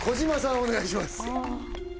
お願いします